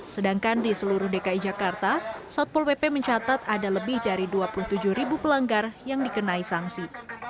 sedangkan di seluruh dki jakarta satpol pp mencatat ada lebih dari dua puluh tujuh ribu pelanggar yang dikenai sanksi